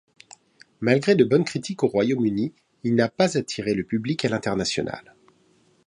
Malgré de bonnes critiques au Royaume-Uni il n'a pas attiré le public à l'international.